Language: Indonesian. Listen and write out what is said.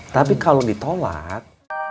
tapi kalau ditolak